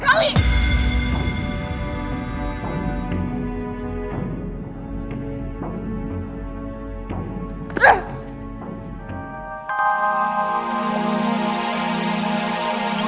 kalau makasih ya pak